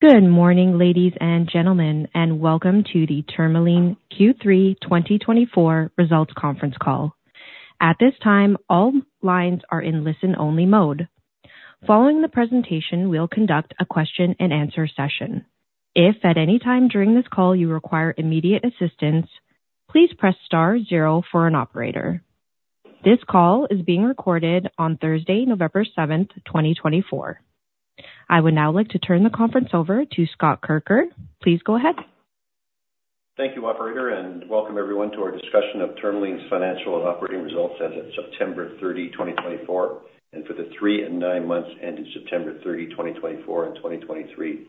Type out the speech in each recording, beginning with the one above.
Good morning, ladies and gentlemen, and welcome to the Tourmaline Q3 2024 Results Conference call. At this time, all lines are in listen-only mode. Following the presentation, we'll conduct a question-and-answer session. If at any time during this call you require immediate assistance, please press star zero for an operator. This call is being recorded on Thursday, November 7th, 2024. I would now like to turn the conference over to Scott Kirker. Please go ahead. Thank you, Operator, and welcome everyone to our discussion of Tourmaline's financial and operating results as of September 30, 2024, and for the three and nine months ending September 30, 2024, and 2023.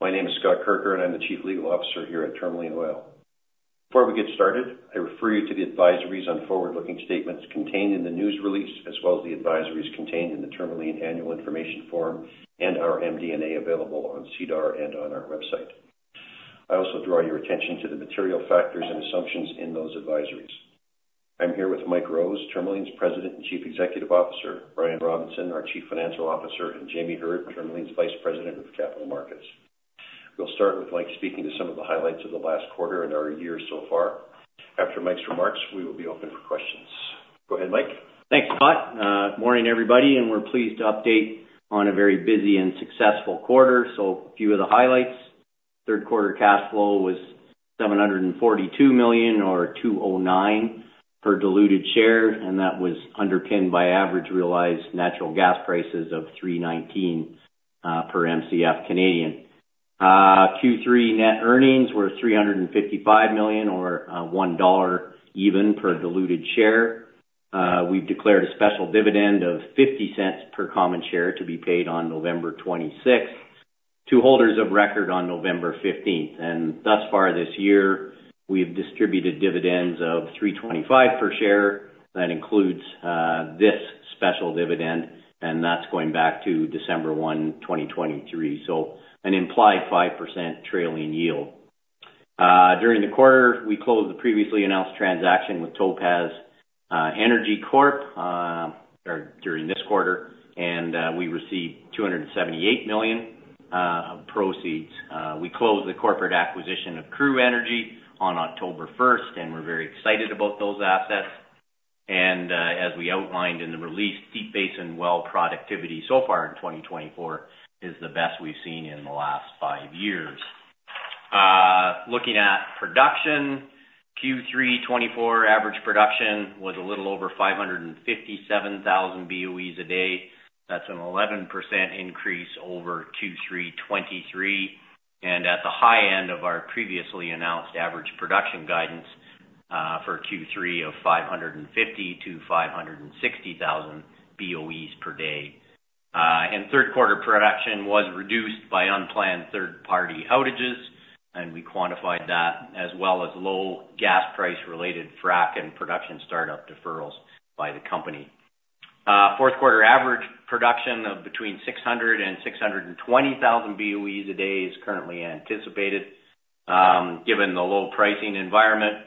My name is Scott Kirker, and I'm the Chief Legal Officer here at Tourmaline Oil. Before we get started, I refer you to the advisories on forward-looking statements contained in the news release, as well as the advisories contained in the Tourmaline annual information form and our MD&A available on SEDAR and on our website. I also draw your attention to the material factors and assumptions in those advisories. I'm here with Mike Rose, Tourmaline's President and Chief Executive Officer, Brian Robinson, our Chief Financial Officer, and Jamie Heard, Tourmaline's Vice President of Capital Markets. We'll start with Mike speaking to some of the highlights of the last quarter and our year so far. After Mike's remarks, we will be open for questions. Go ahead, Mike. Thanks, Scott. Good morning, everybody. And we're pleased to update on a very busy and successful quarter. So a few of the highlights: third quarter cash flow was 742 million, or 209 per diluted share, and that was underpinned by average realized natural gas prices of 319 per MCF Canadian. Q3 net earnings were 355 million, or 1.00 dollar per diluted share. We've declared a special dividend of 0.50 per common share to be paid on November 26th to holders of record on November 15th. And thus far this year, we've distributed dividends of 3.25 per share. That includes this special dividend, and that's going back to December 1, 2023, so an implied 5% trailing yield. During the quarter, we closed the previously announced transaction with Topaz Energy Corp during this quarter, and we received 278 million of proceeds. We closed the corporate acquisition of Crew Energy on October 1st, and we're very excited about those assets, and as we outlined in the release, Deep Basin well productivity so far in 2024 is the best we've seen in the last five years. Looking at production, Q3 2024 average production was a little over 557,000 BOEs a day. That's an 11% increase over Q3 2023, and at the high end of our previously announced average production guidance for Q3 of 550,000-560,000 BOEs per day, and third quarter production was reduced by unplanned third-party outages, and we quantified that, as well as low gas price-related frac and production startup deferrals by the company. Fourth quarter average production of between 600,000 and 620,000 BOEs a day is currently anticipated. Given the low pricing environment,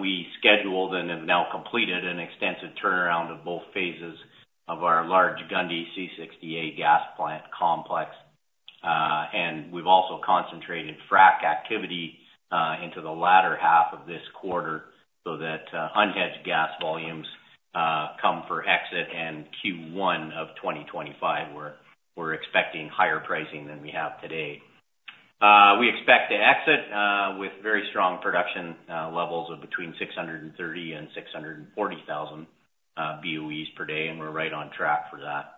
we scheduled and have now completed an extensive turnaround of both phases of our large Gundy C-60-A gas plant complex, and we've also concentrated frac activity into the latter half of this quarter so that unhedged gas volumes come online for exit in Q1 of 2025, where we're expecting higher pricing than we have today. We expect to exit with very strong production levels of between 630,000 and 640,000 BOEs per day, and we're right on track for that.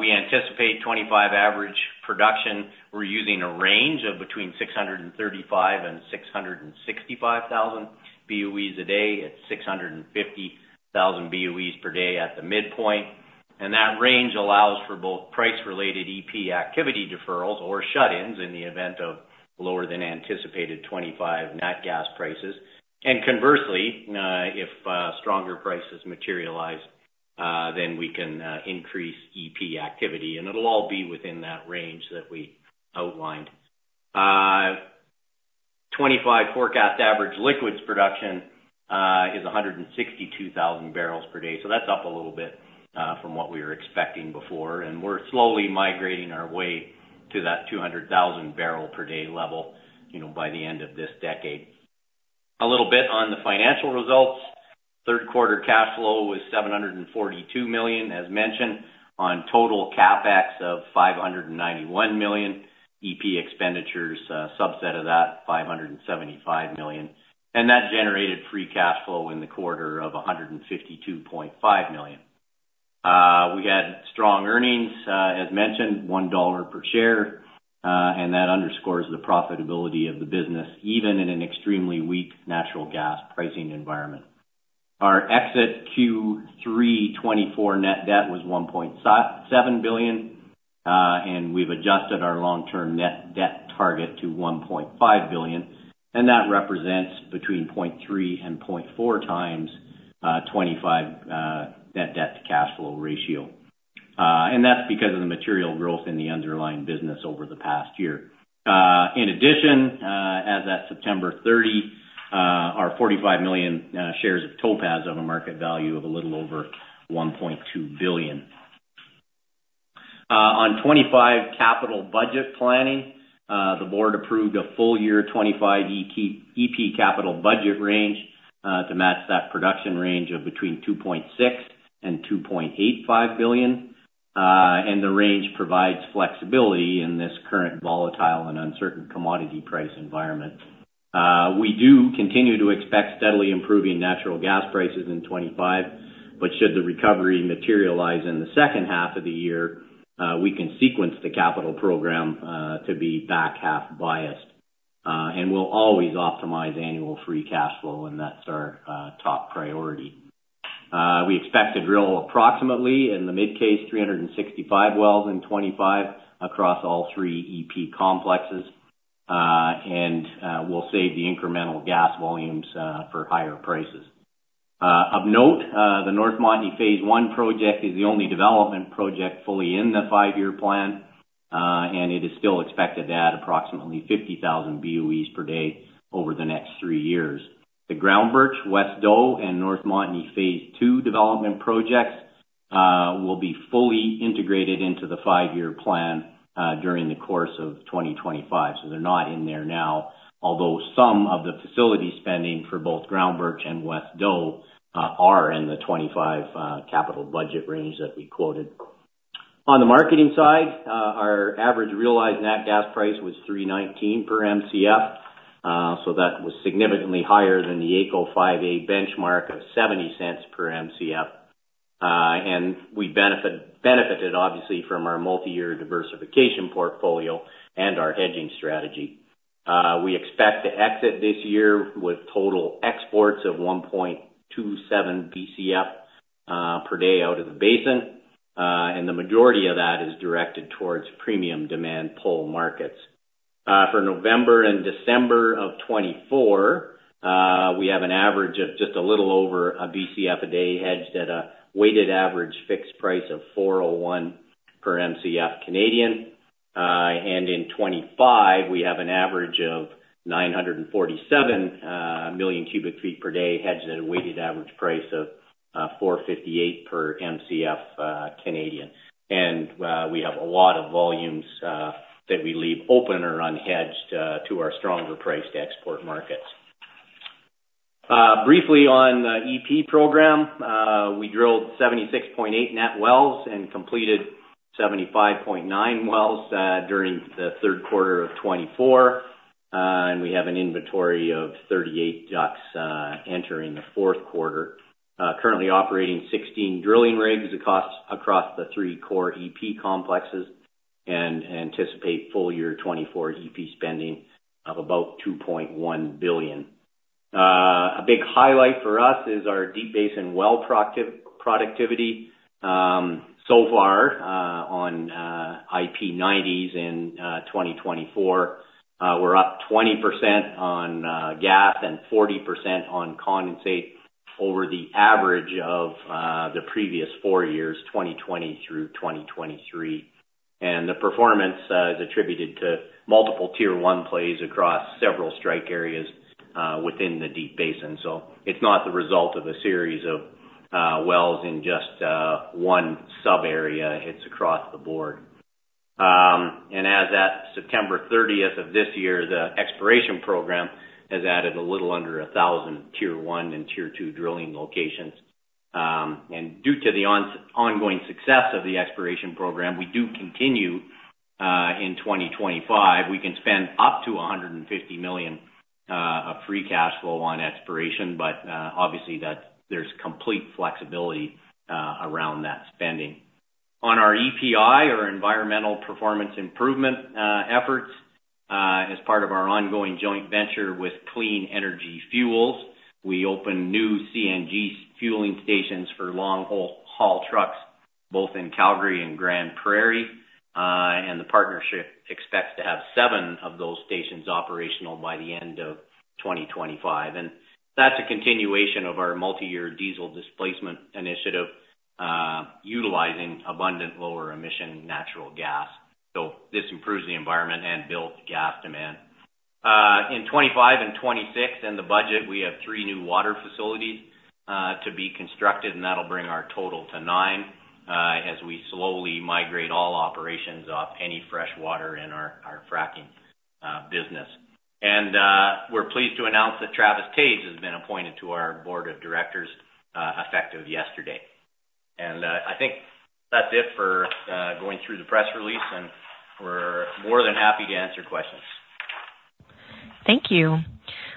We anticipate 25 average production. We're using a range of between 635,000 and 665,000 BOEs a day. It's 650,000 BOEs per day at the midpoint, and that range allows for both price-related EP activity deferrals or shut-ins in the event of lower than anticipated 25 net gas prices. And conversely, if stronger prices materialize, then we can increase EP activity, and it'll all be within that range that we outlined. 2025 forecast average liquids production is 162,000 barrels per day. So that's up a little bit from what we were expecting before, and we're slowly migrating our way to that 200,000 barrel per day level by the end of this decade. A little bit on the financial results: third quarter cash flow was 742 million, as mentioned, on total CapEx of 591 million. EP expenditures subset of that: 575 million. And that generated free cash flow in the quarter of 152.5 million. We had strong earnings, as mentioned, 1 dollar per share, and that underscores the profitability of the business, even in an extremely weak natural gas pricing environment. Our exit Q3 2024 net debt was CAD 1.7 billion, and we've adjusted our long-term net debt target to 1.5 billion. And that represents between 0.3 and 0.4 times 2025 net debt to cash flow ratio. And that's because of the material growth in the underlying business over the past year. In addition, as at September 30, our 45 million shares of Topaz have a market value of a little over $1.2 billion. On 2025 capital budget planning, the board approved a full-year 2025 E&P capital budget range to match that production range of between $2.6 and $2.85 billion. And the range provides flexibility in this current volatile and uncertain commodity price environment. We do continue to expect steadily improving natural gas prices in 2025, but should the recovery materialize in the second half of the year, we can sequence the capital program to be back half biased. And we'll always optimize annual free cash flow, and that's our top priority. We expect to drill approximately, in the mid case, 365 wells in 2025 across all three E&P complexes, and we'll save the incremental gas volumes for higher prices. Of note, the North Montney Phase One project is the only development project fully in the five-year plan, and it is still expected to add approximately 50,000 BOEs per day over the next three years. The Groundbirch, West Doe, and North Montney Phase Two development projects will be fully integrated into the five-year plan during the course of 2025. So they're not in there now, although some of the facility spending for both Groundbirch and West Doe are in the 2025 capital budget range that we quoted. On the marketing side, our average realized net gas price was $3.19 per MCF, so that was significantly higher than the AECO 5A benchmark of $0.70 per MCF. We benefited, obviously, from our multi-year diversification portfolio and our hedging strategy. We expect to exit this year with total exports of 1.27 BCF per day out of the basin, and the majority of that is directed towards premium demand pull markets. For November and December of 2024, we have an average of just a little over a BCF a day hedged at a weighted average fixed price of 401 per MCF Canadian. And in 2025, we have an average of 947 million cubic feet per day hedged at a weighted average price of 458 per MCF Canadian. And we have a lot of volumes that we leave open or unhedged to our stronger price to export markets. Briefly on the E&P program, we drilled 76.8 net wells and completed 75.9 wells during the third quarter of 2024, and we have an inventory of 38 DUCs entering the fourth quarter. Currently operating 16 drilling rigs across the three core E&P complexes and anticipate full-year 2024 E&P spending of about $2.1 billion. A big highlight for us is our Deep Basin well productivity. So far, on IP90s in 2024, we're up 20% on gas and 40% on condensate over the average of the previous four years, 2020 through 2023. And the performance is attributed to multiple Tier 1 plays across several strike areas within the Deep Basin. So it's not the result of a series of wells in just one sub-area; it's across the board. And as of September 30th of this year, the exploration program has added a little under 1,000 Tier 1 and Tier 2 drilling locations. Due to the ongoing success of the exploration program, we do continue in 2025. We can spend up to 150 million of free cash flow on exploration, but obviously, there's complete flexibility around that spending. On our EPI, or Environmental Performance Improvement efforts, as part of our ongoing joint venture with Clean Energy Fuels, we opened new CNG fueling stations for long-haul trucks, both in Calgary and Grande Prairie. The partnership expects to have seven of those stations operational by the end of 2025. That's a continuation of our multi-year diesel displacement initiative, utilizing abundant lower emission natural gas. This improves the environment and builds gas demand. In 2025 and 2026, in the budget, we have three new water facilities to be constructed, and that'll bring our total to nine as we slowly migrate all operations off any fresh water in our fracking business. We're pleased to announce that Travis Toews has been appointed to our Board of Directors effective yesterday. I think that's it for going through the press release, and we're more than happy to answer questions. Thank you.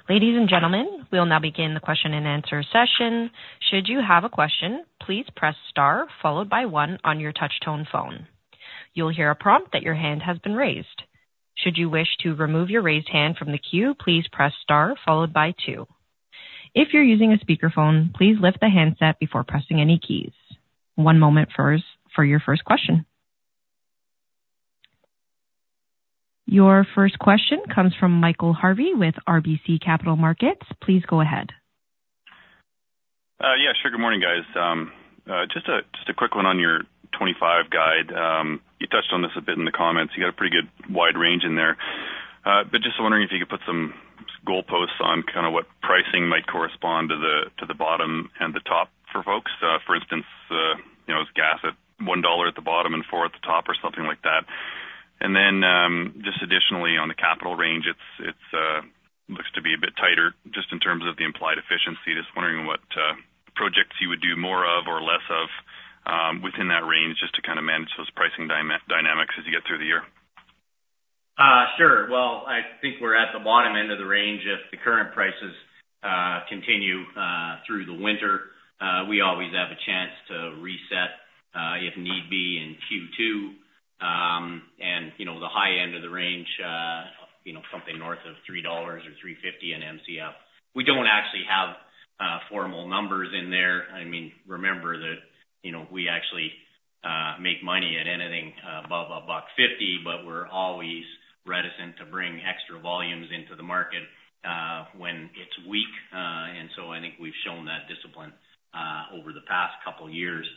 Ladies and gentlemen, we'll now begin the question and answer session. Should you have a question, please press star followed by one on your touch-tone phone. You'll hear a prompt that your hand has been raised. Should you wish to remove your raised hand from the queue, please press star followed by two. If you're using a speakerphone, please lift the handset before pressing any keys. One moment for your first question. Your first question comes from Michael Harvey with RBC Capital Markets. Please go ahead. Yeah, sure. Good morning, guys. Just a quick one on your '25 guide. You touched on this a bit in the comments. You got a pretty good wide range in there. But just wondering if you could put some goalposts on kind of what pricing might correspond to the bottom and the top for folks. For instance, it was gas at $1 at the bottom and $4 at the top or something like that. And then just additionally, on the capital range, it looks to be a bit tighter just in terms of the implied efficiency. Just wondering what projects you would do more of or less of within that range just to kind of manage those pricing dynamics as you get through the year. Sure. Well, I think we're at the bottom end of the range if the current prices continue through the winter. We always have a chance to reset if need be in Q2. And the high end of the range, something north of $3 or $3.50 an MCF. We don't actually have formal numbers in there. I mean, remember that we actually make money at anything above a buck fifty, but we're always reticent to bring extra volumes into the market when it's weak. And so I think we've shown that discipline over the past couple of years.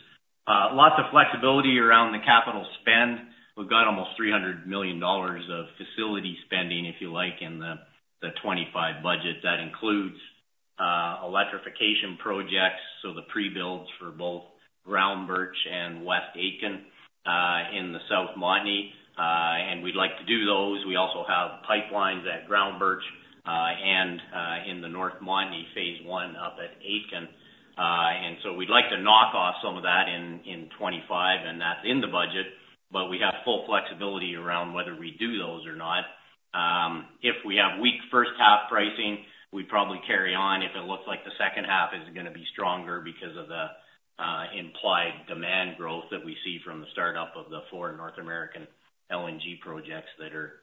Lots of flexibility around the capital spend. We've got almost $300 million of facility spending, if you like, in the 2025 budget. That includes electrification projects, so the pre-builds for both Groundbirch and West Aitken in the South Montney. And we'd like to do those. We also have pipelines at Groundbirch and in the North Montney Phase One up at Aitken, and so we'd like to knock off some of that in 2025, and that's in the budget, but we have full flexibility around whether we do those or not. If we have weak first half pricing, we'd probably carry on if it looks like the second half is going to be stronger because of the implied demand growth that we see from the startup of the four North American LNG projects that are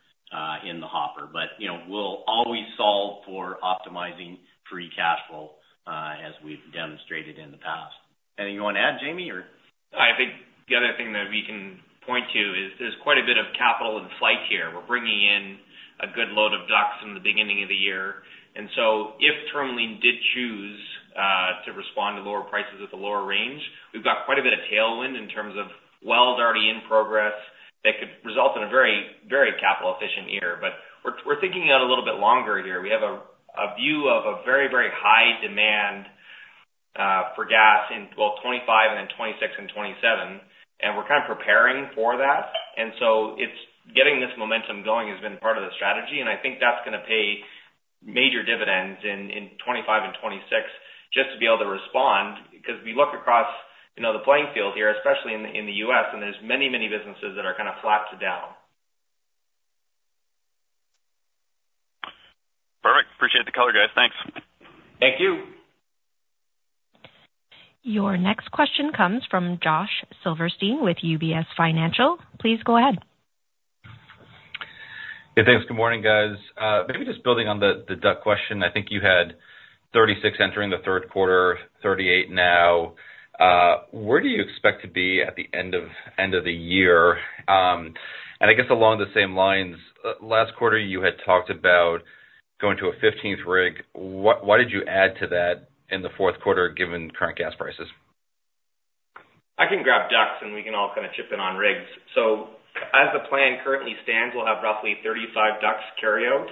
in the hopper, but we'll always solve for optimizing free cash flow as we've demonstrated in the past. Anything you want to add, Jamie, or? I think the other thing that we can point to is there's quite a bit of capital in flight here. We're bringing in a good load of DUCs in the beginning of the year. And so if Tourmaline did choose to respond to lower prices at the lower range, we've got quite a bit of tailwind in terms of wells already in progress that could result in a very, very capital-efficient year. But we're thinking out a little bit longer here. We have a view of a very, very high demand for gas in both 2025 and then 2026 and 2027, and we're kind of preparing for that. And so getting this momentum going has been part of the strategy, and I think that's going to pay major dividends in 2025 and 2026 just to be able to respond because we look across the playing field here, especially in the U.S., and there's many, many businesses that are kind of flat to down. Perfect. Appreciate the color, guys. Thanks. Thank you. Your next question comes from Josh Silverstein with UBS Financial. Please go ahead. Hey, thanks. Good morning, guys. Maybe just building on the DUC question, I think you had 36 entering the third quarter, 38 now. Where do you expect to be at the end of the year? I guess along the same lines, last quarter you had talked about going to a 15-rig. Why did you add to that in the fourth quarter given current gas prices? I can grab DUCs, and we can all kind of chip in on rigs. So as the plan currently stands, we'll have roughly 35 DUCs carry out.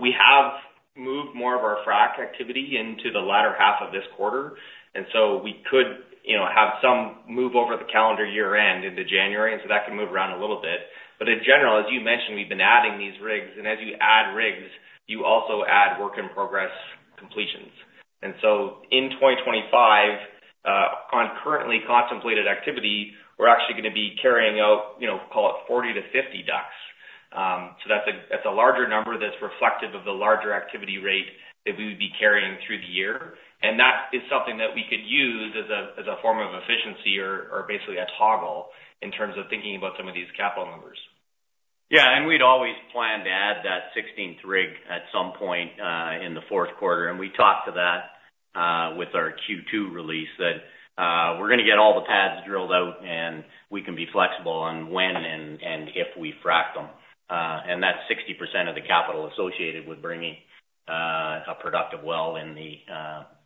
We have moved more of our frac activity into the latter half of this quarter, and so we could have some move over the calendar year-end into January, and so that can move around a little bit. But in general, as you mentioned, we've been adding these rigs, and as you add rigs, you also add work in progress completions. And so in 2025, on currently contemplated activity, we're actually going to be carrying out, call it 40-50 DUCs. So that's a larger number that's reflective of the larger activity rate that we would be carrying through the year. And that is something that we could use as a form of efficiency or basically a toggle in terms of thinking about some of these capital numbers. Yeah. And we'd always plan to add that 16th rig at some point in the fourth quarter. And we talked to that with our Q2 release that we're going to get all the pads drilled out, and we can be flexible on when and if we frac them. And that's 60% of the capital associated with bringing a productive well in the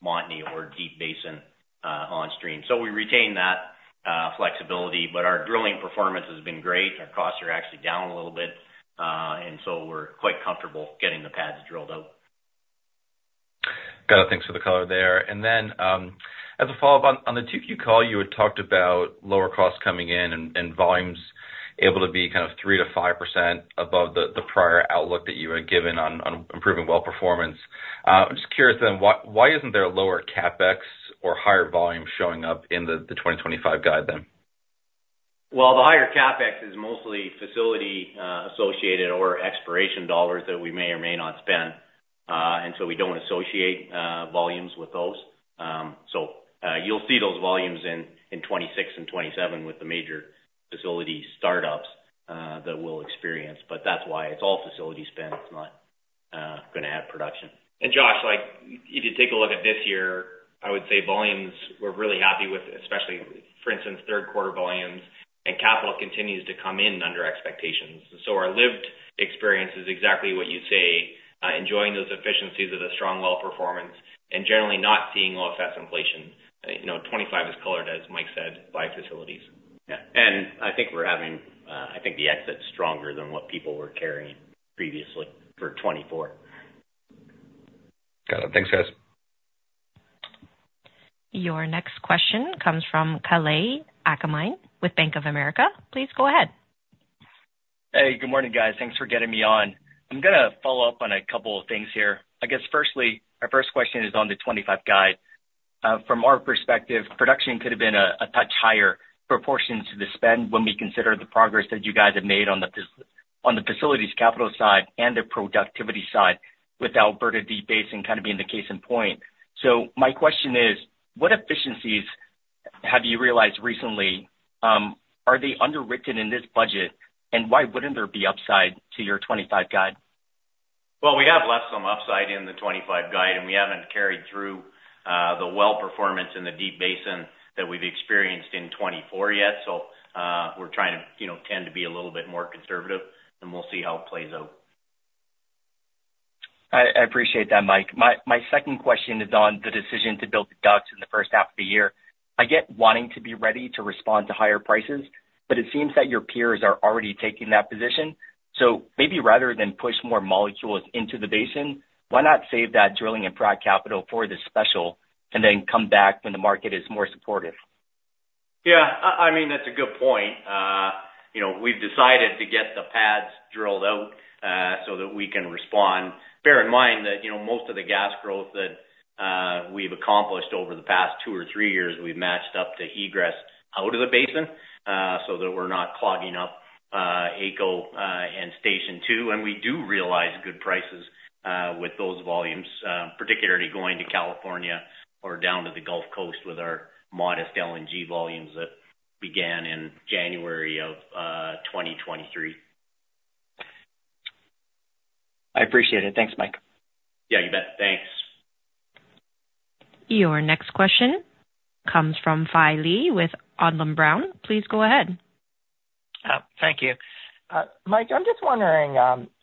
Montney or Deep Basin on stream. So we retain that flexibility, but our drilling performance has been great. Our costs are actually down a little bit, and so we're quite comfortable getting the pads drilled out. Got to thank for the color there. As a follow-up, on the Q2 call, you had talked about lower costs coming in and volumes able to be kind of 3%-5% above the prior outlook that you had given on improving well performance. I'm just curious then, why isn't there a lower CapEx or higher volume showing up in the 2025 guide then? The higher CapEx is mostly facility-associated or expiration dollars that we may or may not spend, and so we don't associate volumes with those. You'll see those volumes in 2026 and 2027 with the major facility startups that we'll experience. That's why it's all facility spend. It's not going to add production. Josh, if you take a look at this year, I would say volumes we're really happy with, especially, for instance, third quarter volumes, and capital continues to come in under expectations. Our lived experience is exactly what you say, enjoying those efficiencies of the strong well performance and generally not seeing OFS inflation. 2025 is colored, as Mike said, by facilities. Yeah. I think we're having the exit stronger than what people were carrying previously for 2024. Got it. Thanks, guys. Your next question comes from Kalei Akamine with Bank of America. Please go ahead. Hey, good morning, guys. Thanks for getting me on. I'm going to follow up on a couple of things here. I guess, firstly, our first question is on the '25 guide. From our perspective, production could have been a touch higher proportion to the spend when we consider the progress that you guys have made on the facilities capital side and the productivity side with Alberta Deep Basin kind of being the case in point. So my question is, what efficiencies have you realized recently? Are they underwritten in this budget, and why wouldn't there be upside to your '25 guide? Well, we have left some upside in the '25 guide, and we haven't carried through the well performance in the Deep Basin that we've experienced in '24 yet. So we're trying to tend to be a little bit more conservative, and we'll see how it plays out. I appreciate that, Mike. My second question is on the decision to build the DUCs in the first half of the year. I get wanting to be ready to respond to higher prices, but it seems that your peers are already taking that position. So maybe rather than push more molecules into the basin, why not save that drilling and frac capital for the second half and then come back when the market is more supportive? Yeah. I mean, that's a good point. We've decided to get the pads drilled out so that we can respond. Bear in mind that most of the gas growth that we've accomplished over the past two or three years, we've matched up to egress out of the basin so that we're not clogging up AECO and Station 2. And we do realize good prices with those volumes, particularly going to California or down to the Gulf Coast with our modest LNG volumes that began in January of 2023. I appreciate it. Thanks, Mike. Yeah, you bet. Thanks. Your next question comes from Fai Lee with Odlum Brown. Please go ahead. Thank you. Mike, I'm just wondering,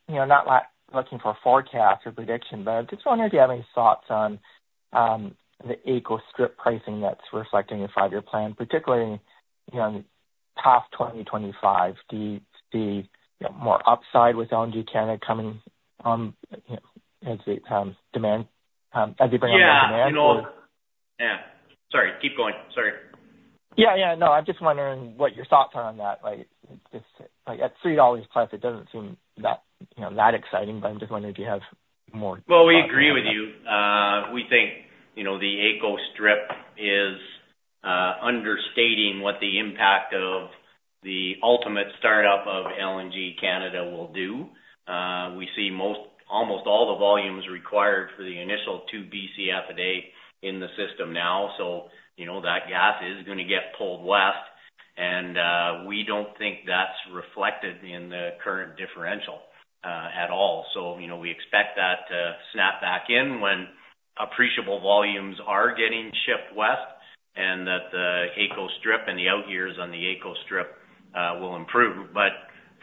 not looking for a forecast or prediction, but I'm just wondering if you have any thoughts on the AECO strip pricing that's reflecting your five-year plan, particularly past 2025, to be more upside with LNG Canada coming as they bring on more demand? Yeah. Yeah. Sorry. Keep going. Sorry. Yeah, yeah. No, I'm just wondering what your thoughts are on that. At $3 plus, it doesn't seem that exciting, but I'm just wondering if you have more. We agree with you. We think the AECO strip is understating what the impact of the ultimate startup of LNG Canada will do. We see almost all the volumes required for the initial two BCF a day in the system now. That gas is going to get pulled west, and we don't think that's reflected in the current differential at all. We expect that to snap back in when appreciable volumes are getting shipped west and that the AECO strip and the out years on the AECO strip will improve. For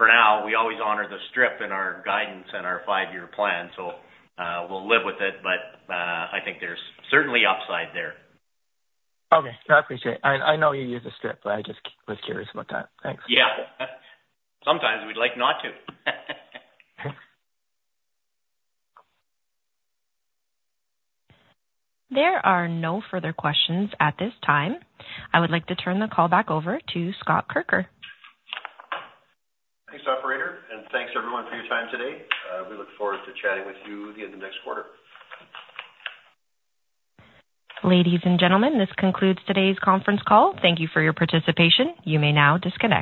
now, we always honor the strip in our guidance and our five-year plan. We'll live with it, but I think there's certainly upside there. Okay. I appreciate it. I know you use the strip, but I just was curious about that. Thanks. Yeah. Sometimes we'd like not to. There are no further questions at this time. I would like to turn the call back over to Scott Kirker. Thanks, operator. Thanks, everyone, for your time today. We look forward to chatting with you at the end of next quarter. Ladies and gentlemen, this concludes today's conference call. Thank you for your participation. You may now disconnect.